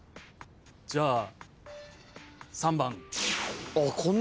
じゃあ３番。